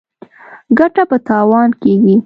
ـ ګټه په تاوان کېږي.